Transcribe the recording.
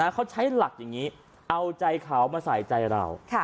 เขาใช้หลักอย่างนี้เอาใจเขามาใส่ใจเรา